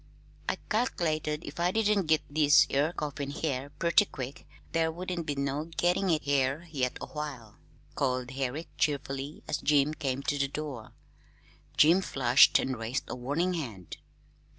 "I calc'lated if I didn't git this 'ere coffin here purty quick there wouldn't be no gettin' it here yet awhile," called Herrick cheerfully, as Jim came to the door. Jim flushed and raised a warning hand.